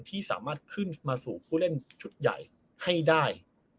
ที่สามารถขึ้นมาสู่ผู้เล่นชุดใหญ่ให้ได้